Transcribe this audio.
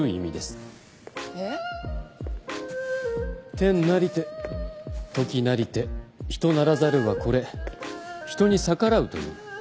「天作りて時作りて人作らざるはこれ人に逆らうと謂う」